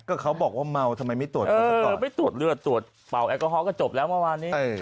ก็เขาบอกว่าเมาทำไมไม่ตรวจเขาไม่ตรวจเลือดตรวจเป่าแอลกอฮอลก็จบแล้วเมื่อวานนี้